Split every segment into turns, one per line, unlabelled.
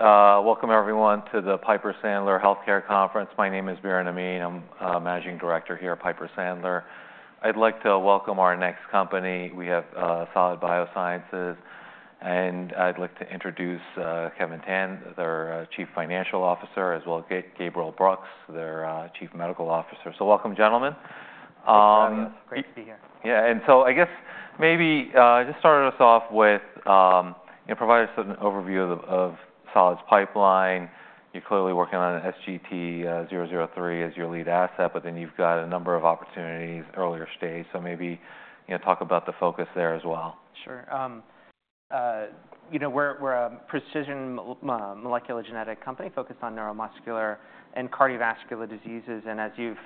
Welcome, everyone, to the Piper Sandler Healthcare Conference. My name is Biren Amin. I'm the Managing Director here at Piper Sandler. I'd like to welcome our next company. We have Solid Biosciences, and I'd like to introduce Kevin Tan, their Chief Financial Officer, as well as Gabriel Brooks, their Chief Medical Officer. So welcome, gentlemen.
Thank you, Biren. Great to be here.
Yeah. And so I guess maybe just start us off with, provide us an overview of Solid's pipeline. You're clearly working on SGT-003 as your lead asset, but then you've got a number of opportunities earlier stage, so maybe talk about the focus there as well.
Sure. We're a precision molecular genetic company focused on neuromuscular and cardiovascular diseases. And as you've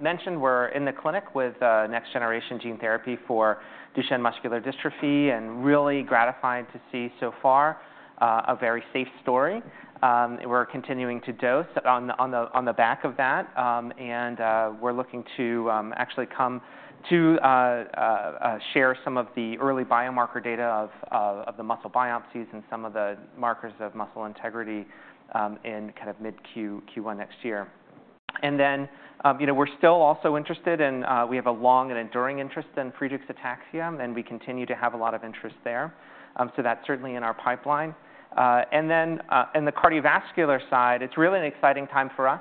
mentioned, we're in the clinic with next-generation gene therapy for Duchenne muscular dystrophy and really gratified to see so far a very safe story. We're continuing to dose on the back of that, and we're looking to actually come to share some of the early biomarker data of the muscle biopsies and some of the markers of muscle integrity in kind of mid-Q1 next year. And then we're still also interested, and we have a long and enduring interest in Friedreich's ataxia, and we continue to have a lot of interest there. So that's certainly in our pipeline. And then on the cardiovascular side, it's really an exciting time for us.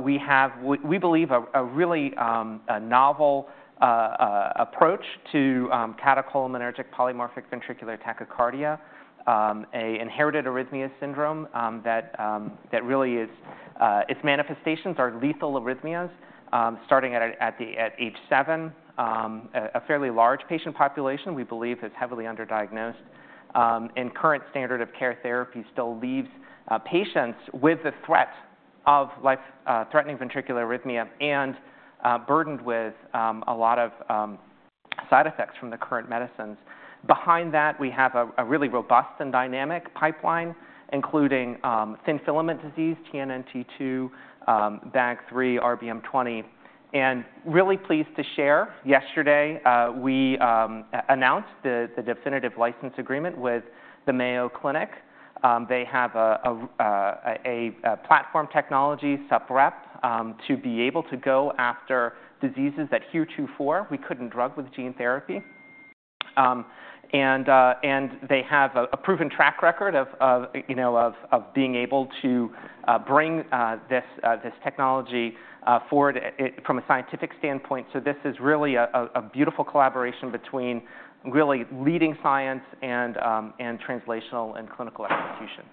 We believe a really novel approach to catecholaminergic polymorphic ventricular tachycardia, an inherited arrhythmia syndrome that really, its manifestations are lethal arrhythmias starting at age seven. A fairly large patient population we believe is heavily underdiagnosed, and current standard of care therapy still leaves patients with the threat of life-threatening ventricular arrhythmia and burdened with a lot of side effects from the current medicines. Behind that, we have a really robust and dynamic pipeline, including thin filament disease, TNNT2, BAG3, RBM20, and really pleased to share, yesterday we announced the definitive license agreement with the Mayo Clinic. They have a platform technology Sup-Rep to be able to go after diseases that heretofore we couldn't drug with gene therapy, and they have a proven track record of being able to bring this technology forward from a scientific standpoint. So this is really a beautiful collaboration between really leading science and translational and clinical execution.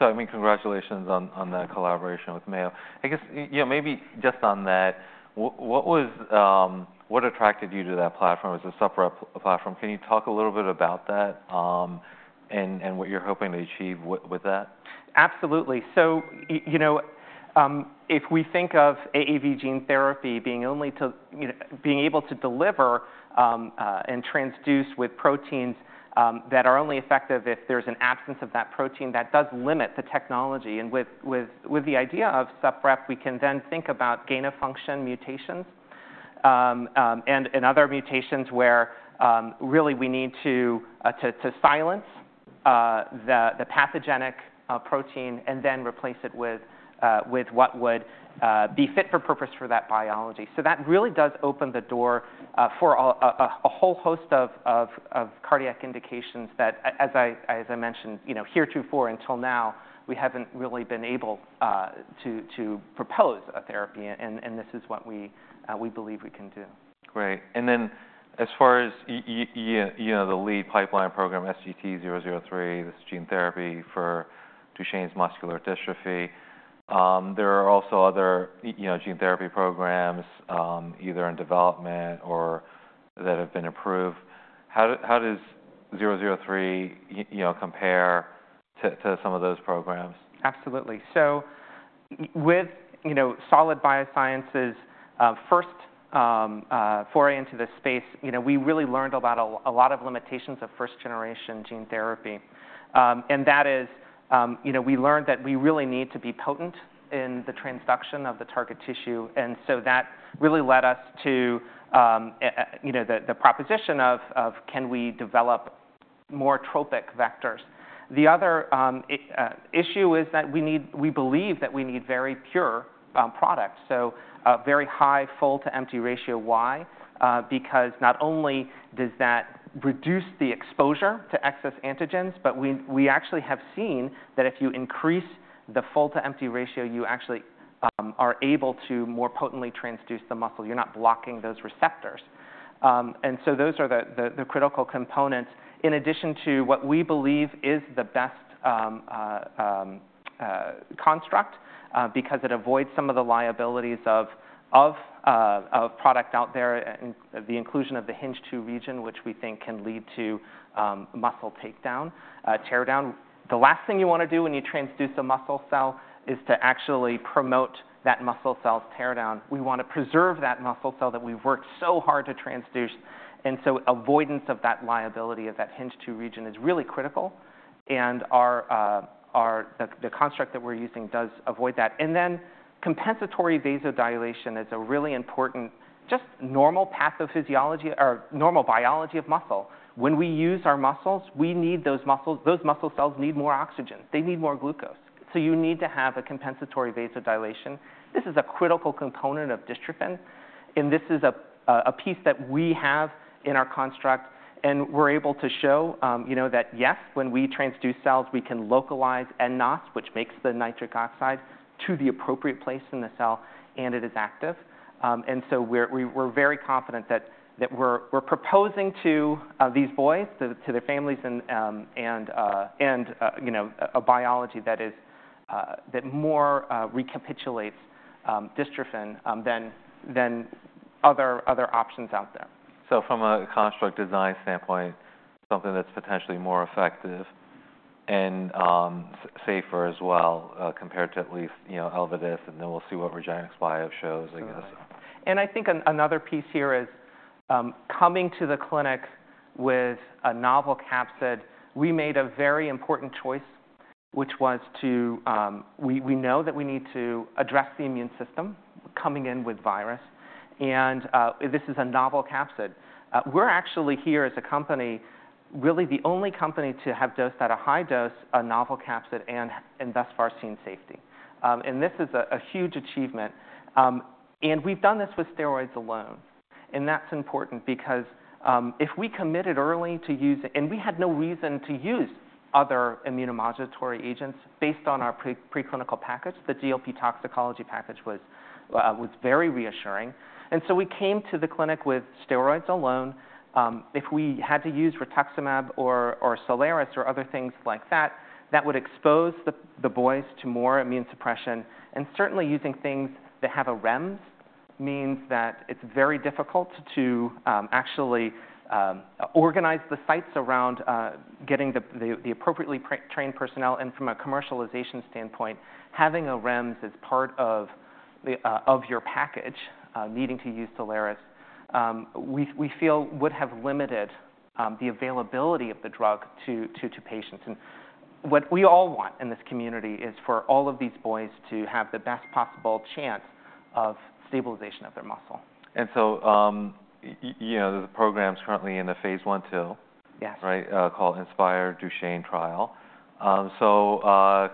So I mean, congratulations on that collaboration with Mayo. I guess maybe just on that, what attracted you to that platform as a Sup-Rep platform? Can you talk a little bit about that and what you're hoping to achieve with that?
Absolutely. So if we think of AAV gene therapy being able to deliver and transduce with proteins that are only effective if there's an absence of that protein, that does limit the technology. And with the idea of Sup-Rep, we can then think about gain of function mutations and other mutations where really we need to silence the pathogenic protein and then replace it with what would be fit for purpose for that biology. So that really does open the door for a whole host of cardiac indications that, as I mentioned, heretofore until now, we haven't really been able to propose a therapy, and this is what we believe we can do.
Great. And then as far as the lead pipeline program, SGT-003, this gene therapy for Duchenne muscular dystrophy, there are also other gene therapy programs either in development or that have been approved. How does SGT-003 compare to some of those programs?
Absolutely. So with Solid Biosciences' first foray into this space, we really learned about a lot of limitations of first-generation gene therapy. And that is we learned that we really need to be potent in the transduction of the target tissue. And so that really led us to the proposition of, can we develop more tropic vectors? The other issue is that we believe that we need very pure products, so a very high full-to-empty ratio, why, because not only does that reduce the exposure to excess antigens, but we actually have seen that if you increase the full-to-empty ratio, you actually are able to more potently transduce the muscle. You're not blocking those receptors. And so those are the critical components, in addition to what we believe is the best construct, because it avoids some of the liabilities of product out there and the inclusion of the Hinge 2 region, which we think can lead to muscle takedown, teardown. The last thing you want to do when you transduce a muscle cell is to actually promote that muscle cell's teardown. We want to preserve that muscle cell that we've worked so hard to transduce. And so avoidance of that liability of that Hinge 2 region is really critical. And the construct that we're using does avoid that. And then compensatory vasodilation is a really important just normal pathophysiology or normal biology of muscle. When we use our muscles, we need those muscle cells need more oxygen. They need more glucose. So you need to have a compensatory vasodilation. This is a critical component of dystrophin. This is a piece that we have in our construct, and we're able to show that, yes, when we transduce cells, we can localize nNOS, which makes the nitric oxide to the appropriate place in the cell, and it is active. So we're very confident that we're proposing to these boys, to their families, a biology that more recapitulates dystrophin than other options out there.
So from a construct design standpoint, something that's potentially more effective and safer as well compared to at least ELEVIDYS, and then we'll see what REGENXBIO shows, I guess.
And I think another piece here is coming to the clinic with a novel capsid. We made a very important choice, which was to we know that we need to address the immune system coming in with virus. And this is a novel capsid. We're actually here as a company really the only company to have dosed at a high dose a novel capsid and thus far seen safety. And this is a huge achievement. And we've done this with steroids alone. And that's important because if we committed early to use and we had no reason to use other immunomodulatory agents based on our preclinical package. The GLP toxicology package was very reassuring. And so we came to the clinic with steroids alone. If we had to use rituximab or Soliris or other things like that, that would expose the boys to more immune suppression. And certainly using things that have a REMS means that it's very difficult to actually organize the sites around getting the appropriately trained personnel. And from a commercialization standpoint, having a REMS as part of your package, needing to use Soliris, we feel would have limited the availability of the drug to patients. And what we all want in this community is for all of these boys to have the best possible chance of stabilization of their muscle.
So the program's currently in a phase I trial, right, called INSPIRE Duchenne trial. So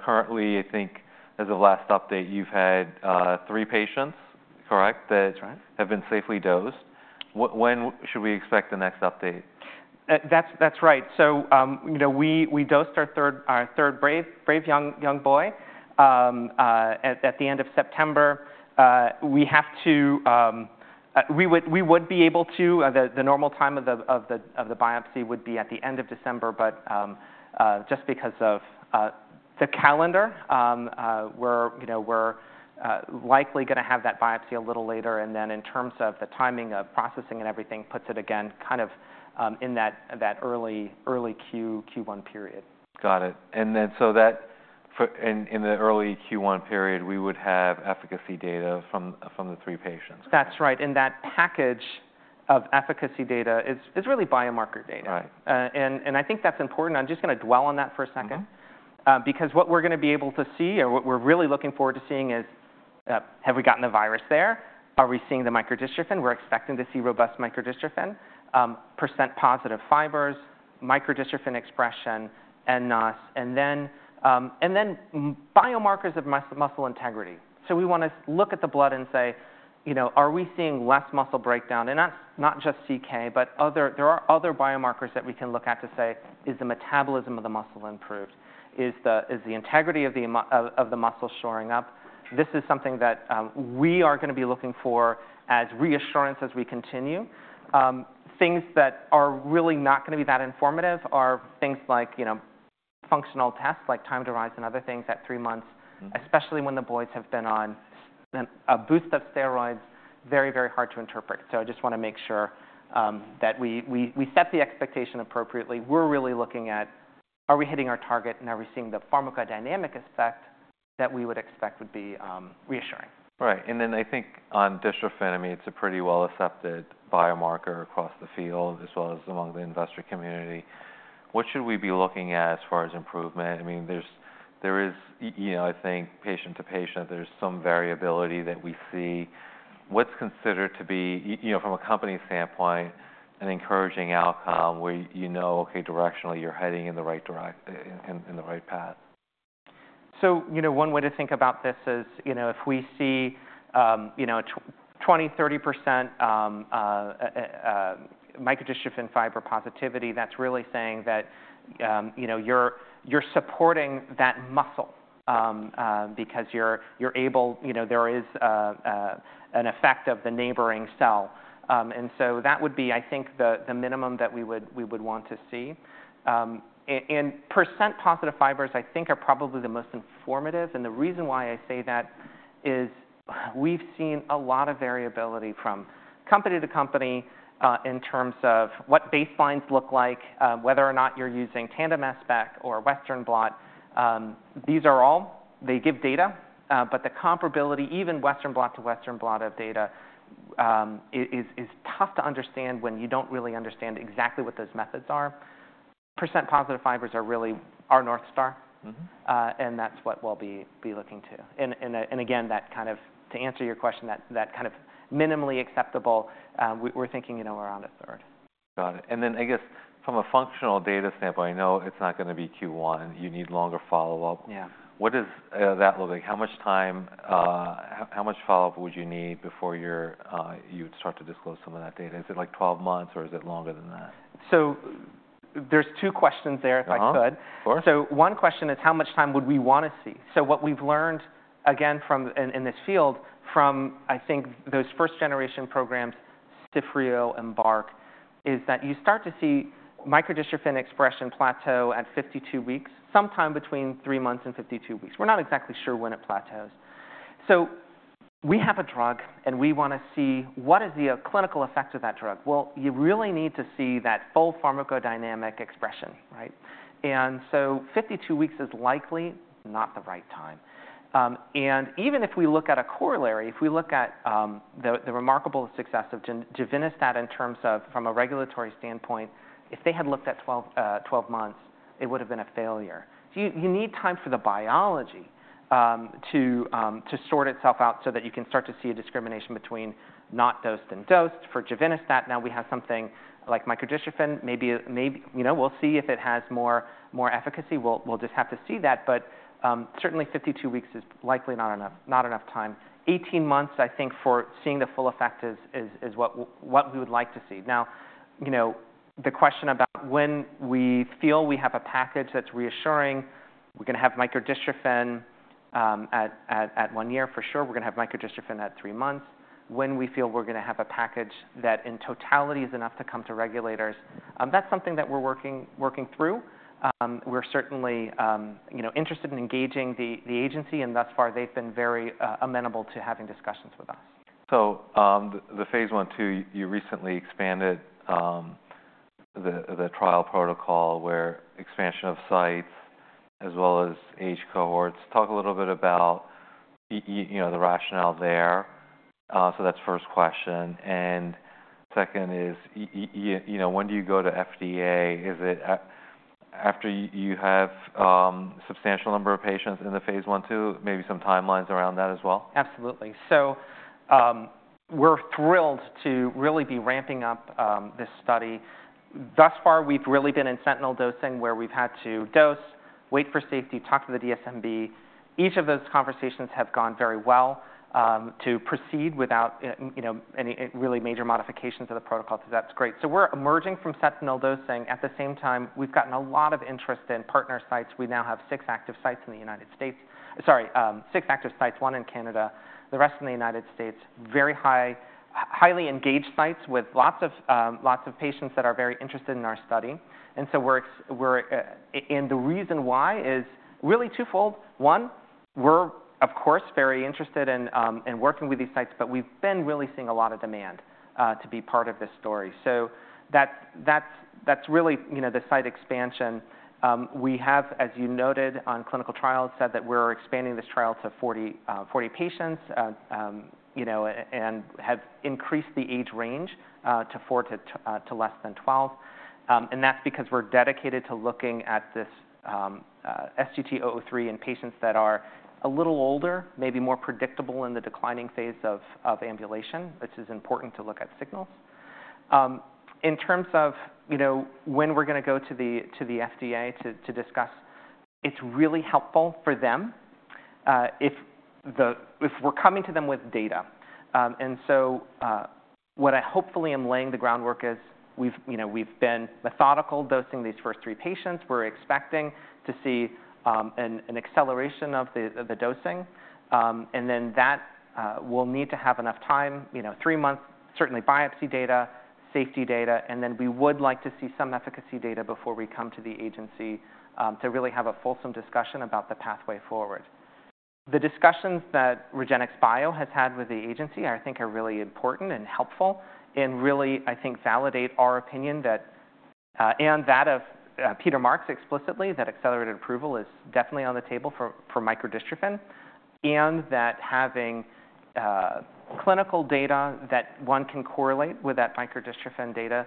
currently, I think as of last update, you've had three patients, correct, that have been safely dosed. When should we expect the next update?
That's right. So we dosed our third brave young boy at the end of September. The normal time of the biopsy would be at the end of December, but just because of the calendar, we're likely going to have that biopsy a little later, and then in terms of the timing of processing and everything, puts it again kind of in that early Q1 period.
Got it. And then, so that in the early Q1 period, we would have efficacy data from the three patients.
That's right. And that package of efficacy data is really biomarker data. And I think that's important. I'm just going to dwell on that for a second, because what we're going to be able to see or what we're really looking forward to seeing is, have we gotten the virus there? Are we seeing the microdystrophin? We're expecting to see robust microdystrophin, percent positive fibers, microdystrophin expression, and NOS. And then biomarkers of muscle integrity. So we want to look at the blood and say, are we seeing less muscle breakdown? And that's not just CK, but there are other biomarkers that we can look at to say, is the metabolism of the muscle improved? Is the integrity of the muscle shoring up? This is something that we are going to be looking for as reassurance as we continue. Things that are really not going to be that informative are things like functional tests, like time to rise and other things at three months, especially when the boys have been on a boost of steroids, very, very hard to interpret. So I just want to make sure that we set the expectation appropriately. We're really looking at, are we hitting our target, and are we seeing the pharmacodynamic effect that we would expect would be reassuring?
Right. And then I think on dystrophin expression, it's a pretty well-accepted biomarker across the field as well as among the investor community. What should we be looking at as far as improvement? I mean, there is, I think, patient to patient, there's some variability that we see. What's considered to be, from a company standpoint, an encouraging outcome where you know, okay, directionally, you're heading in the right path?
So one way to think about this is if we see 20%-30% microdystrophin fiber positivity, that's really saying that you're supporting that muscle because you're able, there is an effect of the neighboring cell. And so that would be, I think, the minimum that we would want to see. And percent positive fibers, I think, are probably the most informative. And the reason why I say that is we've seen a lot of variability from company to company in terms of what baselines look like, whether or not you're using tandem MS or Western blot. These are all they give data, but the comparability, even Western blot to Western blot of data, is tough to understand when you don't really understand exactly what those methods are. Percent positive fibers are really our north star, and that's what we'll be looking to. Again, to answer your question, that kind of minimally acceptable, we're thinking around a third.
Got it. And then I guess from a functional data standpoint, I know it's not going to be Q1. You need longer follow-up. What does that look like? How much follow-up would you need before you'd start to disclose some of that data? Is it like 12 months, or is it longer than that?
So there's two questions there, if I could.
Oh, of course.
One question is, how much time would we want to see? What we've learned, again, in this field from, I think, those first-generation programs, CIFFREO, EMBARK, is that you start to see microdystrophin expression plateau at 52 weeks, sometime between three months and 52 weeks. We're not exactly sure when it plateaus. We have a drug, and we want to see what is the clinical effect of that drug. You really need to see that full pharmacodynamic expression, right? 52 weeks is likely not the right time. Even if we look at a corollary, if we look at the remarkable success of givinostat in terms of from a regulatory standpoint, if they had looked at 12 months, it would have been a failure. You need time for the biology to sort itself out so that you can start to see a discrimination between not dosed and dosed. For givinostat, now we have something like microdystrophin. Maybe we'll see if it has more efficacy. We'll just have to see that. But certainly, 52 weeks is likely not enough time. 18 months, I think, for seeing the full effect is what we would like to see. Now, the question about when we feel we have a package that's reassuring, we're going to have microdystrophin at one year, for sure. We're going to have microdystrophin at three months. When we feel we're going to have a package that in totality is enough to come to regulators, that's something that we're working through. We're certainly interested in engaging the agency, and thus far, they've been very amenable to having discussions with us.
So the phase I trial, you recently expanded the trial protocol where expansion of sites as well as age cohorts. Talk a little bit about the rationale there. So that's first question. And second is, when do you go to FDA? Is it after you have a substantial number of patients in the phase I trial, maybe some timelines around that as well?
Absolutely. So we're thrilled to really be ramping up this study. Thus far, we've really been in sentinel dosing where we've had to dose, wait for safety, talk to the DSMB. Each of those conversations have gone very well to proceed without any really major modifications of the protocol. So that's great. So we're emerging from sentinel dosing. At the same time, we've gotten a lot of interest in partner sites. We now have six active sites in the United States. Sorry, six active sites, one in Canada. The rest in the United States, very highly engaged sites with lots of patients that are very interested in our study. And so we're, and the reason why is really twofold. One, we're, of course, very interested in working with these sites, but we've been really seeing a lot of demand to be part of this story. So that's really the site expansion. We have, as you noted on clinical trials, said that we're expanding this trial to 40 patients and have increased the age range to less than 12. And that's because we're dedicated to looking at this SGT-003 in patients that are a little older, maybe more predictable in the declining phase of ambulation, which is important to look at signals. In terms of when we're going to go to the FDA to discuss, it's really helpful for them if we're coming to them with data. And so what I hopefully am laying the groundwork is we've been methodical dosing these first three patients. We're expecting to see an acceleration of the dosing. And then that will need to have enough time, three months, certainly biopsy data, safety data. We would like to see some efficacy data before we come to the agency to really have a fulsome discussion about the pathway forward. The discussions that REGENXBIO has had with the agency, I think, are really important and helpful and really, I think, validate our opinion and that of Peter Marks explicitly, that accelerated approval is definitely on the table for microdystrophin and that having clinical data that one can correlate with that microdystrophin data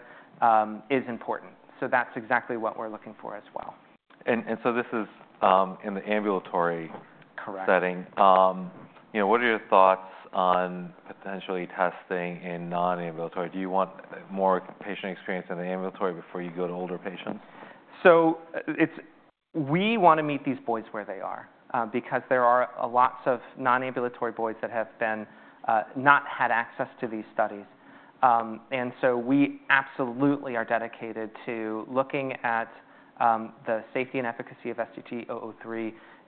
is important. That's exactly what we're looking for as well.
And so this is in the ambulatory setting. What are your thoughts on potentially testing in non-ambulatory? Do you want more patient experience in the ambulatory before you go to older patients?
So we want to meet these boys where they are because there are lots of non-ambulatory boys that have not had access to these studies. And so we absolutely are dedicated to looking at the safety and efficacy of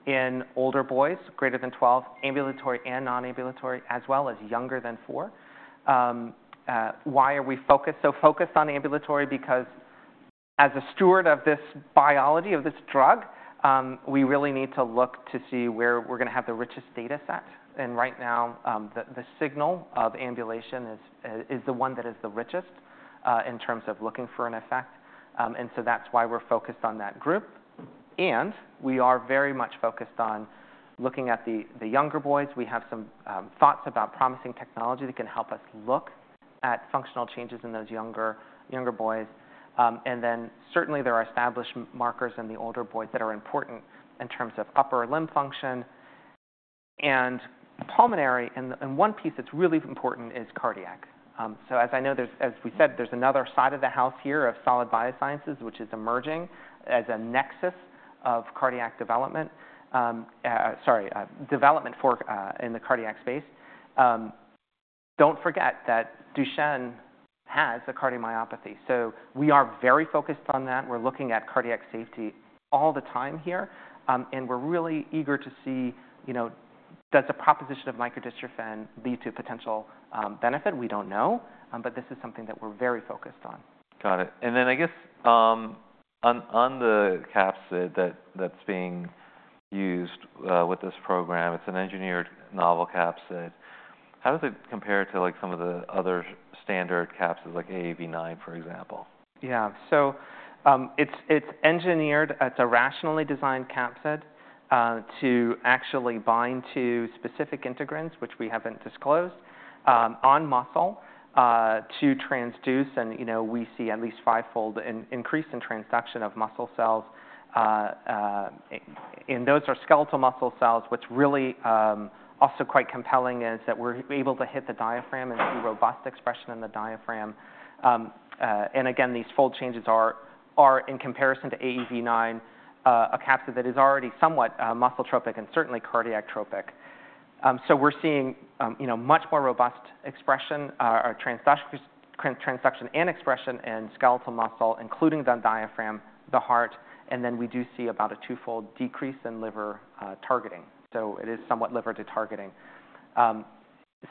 SGT-003 in older boys greater than 12, ambulatory and non-ambulatory, as well as younger than four. Why are we so focused on ambulatory? Because as a steward of this biology of this drug, we really need to look to see where we're going to have the richest data set. And right now, the signal of ambulation is the one that is the richest in terms of looking for an effect. And so that's why we're focused on that group. And we are very much focused on looking at the younger boys. We have some thoughts about promising technology that can help us look at functional changes in those younger boys. And then certainly, there are established markers in the older boys that are important in terms of upper limb function and pulmonary. One piece that's really important is cardiac. As we know, as we said, there's another side of the house here of Solid Biosciences, which is emerging as a nexus of cardiac development. Sorry, development in the cardiac space. Don't forget that Duchenne has a cardiomyopathy. We are very focused on that. We're looking at cardiac safety all the time here. We're really eager to see, does the expression of microdystrophin lead to potential benefit? We don't know, but this is something that we're very focused on.
Got it. And then I guess on the capsid that's being used with this program, it's an engineered novel capsid. How does it compare to some of the other standard capsids, like AAV9, for example?
Yeah. So it's engineered. It's a rationally designed capsid to actually bind to specific integrins, which we haven't disclosed, on muscle to transduce. And we see at least fivefold increase in transduction of muscle cells. And those are skeletal muscle cells. What's really also quite compelling is that we're able to hit the diaphragm and see robust expression in the diaphragm. And again, these fold changes are, in comparison to AAV9, a capsid that is already somewhat muscle-tropic and certainly cardiac-tropic. So we're seeing much more robust expression, transduction and expression in skeletal muscle, including the diaphragm, the heart. And then we do see about a twofold decrease in liver targeting. So it is somewhat liver de-targeting.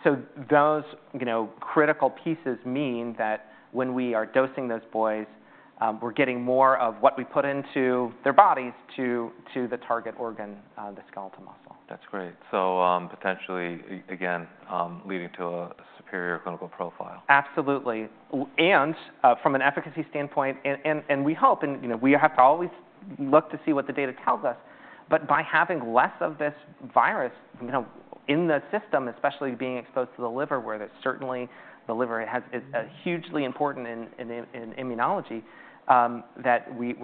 So those critical pieces mean that when we are dosing those boys, we're getting more of what we put into their bodies to the target organ, the skeletal muscle.
That's great, so potentially, again, leading to a superior clinical profile.
Absolutely. And from an efficacy standpoint, and we hope, and we have to always look to see what the data tells us. But by having less of this virus in the system, especially being exposed to the liver, where certainly the liver is hugely important in immunology, that we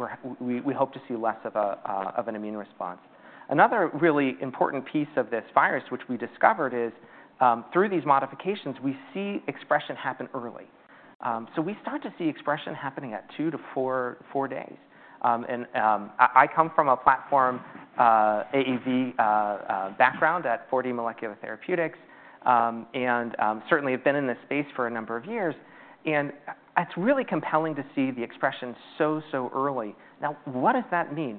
hope to see less of an immune response. Another really important piece of this virus, which we discovered, is through these modifications, we see expression happen early. So we start to see expression happening at two to four days. And I come from a platform AAV background at 4D Molecular Therapeutics. And certainly, I've been in this space for a number of years. And it's really compelling to see the expression so, so early. Now, what does that mean?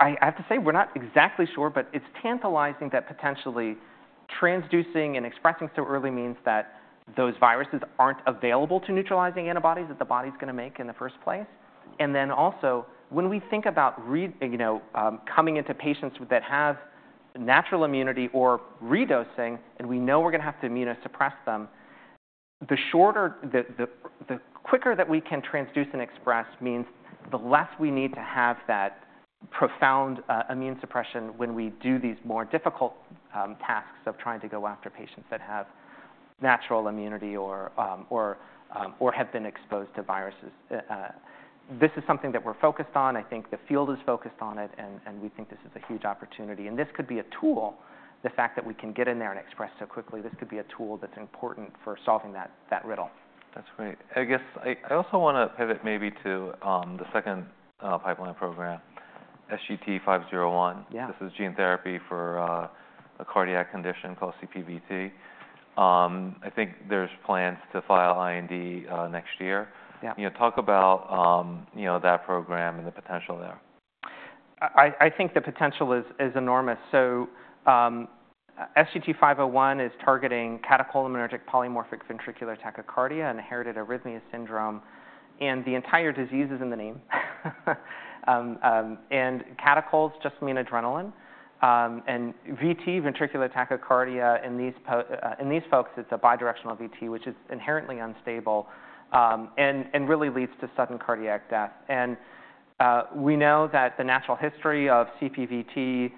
I have to say, we're not exactly sure, but it's tantalizing that potentially transducing and expressing so early means that those viruses aren't available to neutralizing antibodies that the body's going to make in the first place, and then also, when we think about coming into patients that have natural immunity or redosing, and we know we're going to have to immunosuppress them. The quicker that we can transduce and express means the less we need to have that profound immune suppression when we do these more difficult tasks of trying to go after patients that have natural immunity or have been exposed to viruses. This is something that we're focused on. I think the field is focused on it, and we think this is a huge opportunity, and this could be a tool. The fact that we can get in there and express so quickly, this could be a tool that's important for solving that riddle.
That's great. I guess I also want to pivot maybe to the second pipeline program, SGT-501. This is gene therapy for a cardiac condition called CPVT. I think there's plans to file IND next year. Talk about that program and the potential there.
I think the potential is enormous, so SGT-501 is targeting catecholaminergic polymorphic ventricular tachycardia and inherited arrhythmia syndrome, and the entire disease is in the name, and catechols just mean adrenaline, and VT, ventricular tachycardia, in these folks, it's a bidirectional VT, which is inherently unstable and really leads to sudden cardiac death, and we know that the natural history of CPVT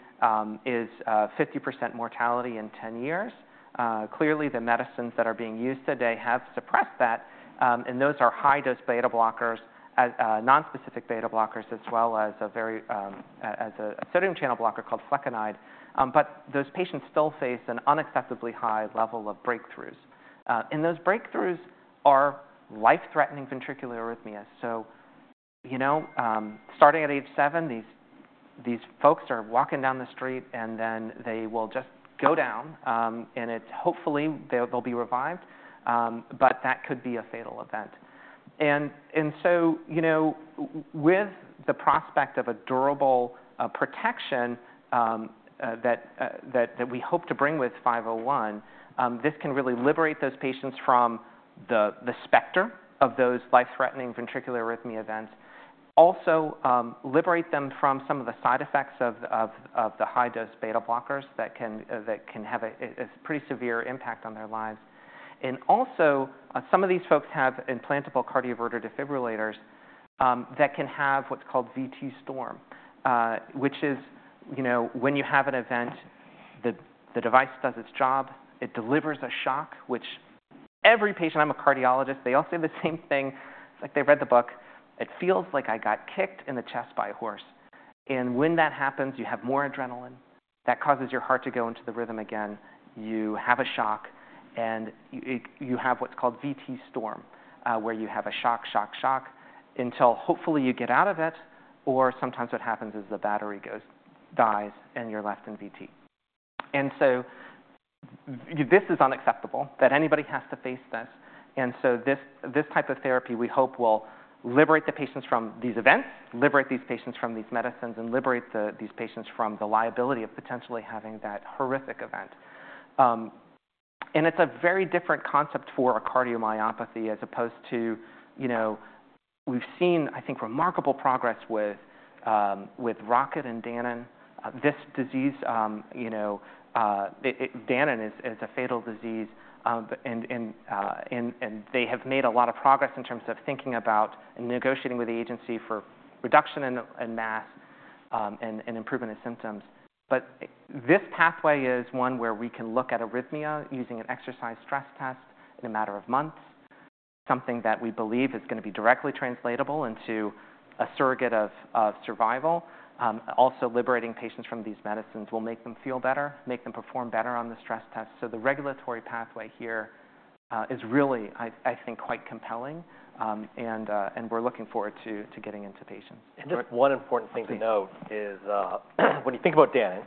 is 50% mortality in 10 years. Clearly, the medicines that are being used today have suppressed that, and those are high-dose beta-blockers, nonspecific beta-blockers, as well as a sodium channel blocker called flecainide. But those patients still face an unacceptably high level of breakthroughs, and those breakthroughs are life-threatening ventricular arrhythmias, so starting at age seven, these folks are walking down the street, and then they will just go down, and hopefully, they'll be revived, but that could be a fatal event. And so with the prospect of a durable protection that we hope to bring with 501, this can really liberate those patients from the specter of those life-threatening ventricular arrhythmia events, also liberate them from some of the side effects of the high-dose beta-blockers that can have a pretty severe impact on their lives. And also, some of these folks have implantable cardioverter defibrillators that can have what's called VT storm, which is when you have an event, the device does its job. It delivers a shock, which every patient. I'm a cardiologist, they all say the same thing. It's like they read the book. It feels like I got kicked in the chest by a horse. And when that happens, you have more adrenaline. That causes your heart to go into the rhythm again. You have a shock. And you have what's called VT storm, where you have a shock, shock, shock until hopefully you get out of it. Or sometimes what happens is the battery dies, and you're left in VT. And so this is unacceptable that anybody has to face this. And so this type of therapy, we hope, will liberate the patients from these events, liberate these patients from these medicines, and liberate these patients from the liability of potentially having that horrific event. And it's a very different concept for a cardiomyopathy as opposed to we've seen, I think, remarkable progress with Rocket and Danon. This disease, Danon is a fatal disease. And they have made a lot of progress in terms of thinking about and negotiating with the agency for reduction in mass and improvement of symptoms. But this pathway is one where we can look at arrhythmia using an exercise stress test in a matter of months, something that we believe is going to be directly translatable into a surrogate of survival. Also, liberating patients from these medicines will make them feel better, make them perform better on the stress test. So the regulatory pathway here is really, I think, quite compelling. And we're looking forward to getting into patients.
And just one important thing to note is when you think about Danon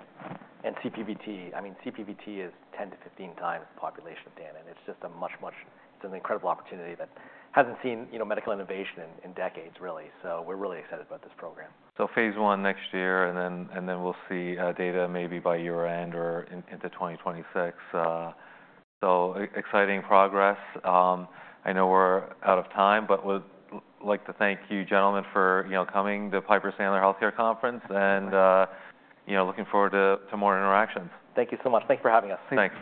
and CPVT, I mean, CPVT is 10 to 15 times the population of Danon. It's just a much, much it's an incredible opportunity that hasn't seen medical innovation in decades, really. So we're really excited about this program.
So phase I next year. And then we'll see data maybe by year-end or into 2026. So exciting progress. I know we're out of time, but we'd like to thank you gentlemen for coming to Piper Sandler Healthcare Conference. And looking forward to more interactions.
Thank you so much. Thanks for having us.
Thanks.